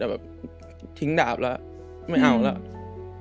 แบบทิ้งดาบแล้วไม่เอาแล้ว